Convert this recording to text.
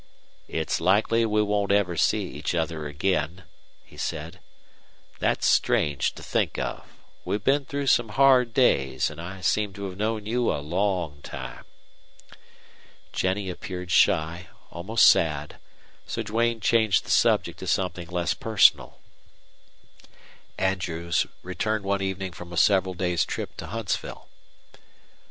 "It's likely we won't ever see each other again," he said. "That's strange to think of. We've been through some hard days, and I seem to have known you a long time." Jennie appeared shy, almost sad, so Duane changed the subject to something less personal. Andrews returned one evening from a several days' trip to Huntsville.